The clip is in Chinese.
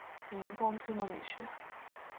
明光宗的女婿。